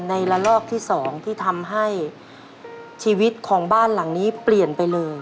ในระลอกที่๒ที่ทำให้ชีวิตของบ้านหลังนี้เปลี่ยนไปเลย